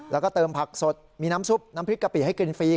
แล้วก็เติมผักสดมีน้ำซุปน้ำพริกกะปิให้กินฟรี